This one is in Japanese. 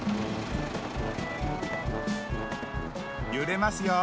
ゆれますよ。